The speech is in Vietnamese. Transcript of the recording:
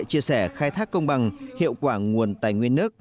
chia sẻ khai thác công bằng hiệu quả nguồn tài nguyên nước